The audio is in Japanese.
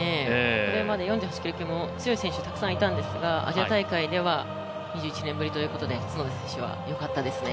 これまで４８キロ級も強い選手がたくさんいたんですがアジア大会では２１年ぶりということで角田選手はよかったですね。